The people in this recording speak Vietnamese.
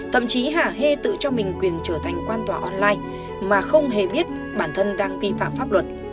thậm chí hà hê tự cho mình quyền trở thành quan tòa online mà không hề biết bản thân đang vi phạm pháp luật